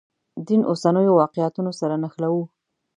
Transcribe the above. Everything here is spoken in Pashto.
دین اوسنیو واقعیتونو سره نښلوو.